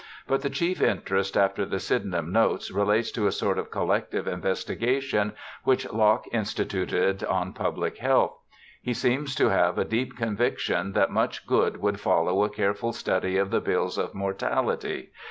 But the chief interest after the Sydenham notes relates to a sort of collective investigation which Locke instituted on pubHc health. He seems to have a deep conviction that much good would follow a careful study of the bills of mortality.